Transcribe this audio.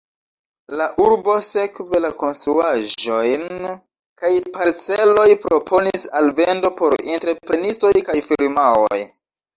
La urbo sekve la konstruaĵojn kaj parcelojn proponis al vendo por entreprenistoj kaj firmaoj.